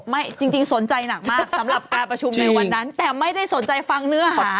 ไม่จริงสนใจหนักมากสำหรับการประชุมในวันนั้นแต่ไม่ได้สนใจฟังเนื้อหา